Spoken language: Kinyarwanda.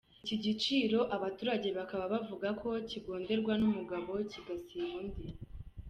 Iki giciro abaturage bakaba bavuga ko kigonderwa n’umugabo kigasiba undi.